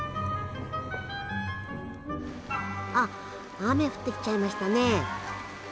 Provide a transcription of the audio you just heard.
あ雨降ってきちゃいましたね。